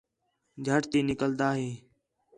جھٹ تی نِکلدا ہِے